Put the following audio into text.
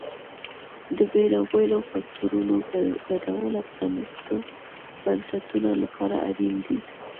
د بېلابېلو فکټورونو ګډوله پرانیستو بنسټونو لپاره اړین دي.